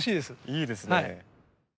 いいですね。